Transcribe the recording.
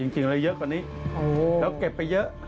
จริงอะไรเยอะกว่านี้แล้วเก็บไปเยอะ